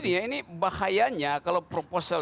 ini ya ini bahayanya kalau proposal